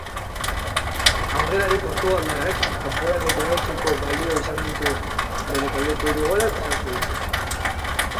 Aurrelari portugaldarrak kanporaketa iraultzeko balio izan duten bere taldeko hiru golak sartu ditu.